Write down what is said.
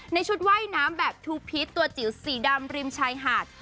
ชุดว่ายน้ำแบบทูพีชตัวจิ๋วสีดำริมชายหาด